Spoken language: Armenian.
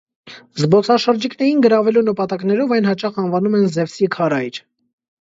Զբոսաշրջիկներին գրավելու նպատակներով այն հաճախ անվանում են Զևսի քարայր։